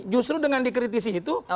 justru dengan dikritisi itu